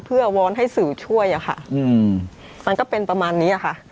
เพื่อวอนให้สื่อช่วยอะค่ะมันก็เป็นประมาณนี้ค่ะ